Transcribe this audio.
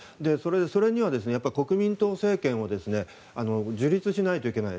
それには、やっぱり国民党政権を樹立しないといけない。